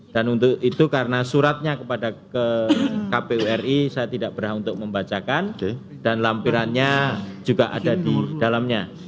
dan untuk itu karena suratnya kepada kpu ri saya tidak berah untuk membacakan dan lampirannya juga ada di dalamnya